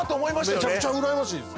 めちゃくちゃ羨ましいです